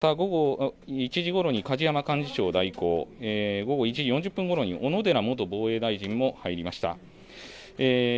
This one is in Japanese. また午後１時ごろに梶山幹事長代行、午後１時４０分ごろに小野寺元防衛大臣も入りました。